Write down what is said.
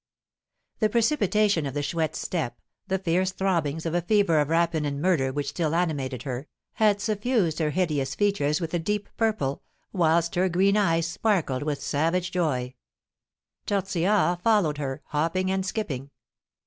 The precipitation of the Chouette's step, the fierce throbbings of a fever of rapine and murder which still animated her, had suffused her hideous features with a deep purple, whilst her green eye sparkled with savage joy. Tortillard followed her, hopping and skipping.